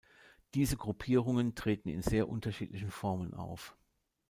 Diese Gruppierungen treten in sehr unterschiedlichen Formen auf.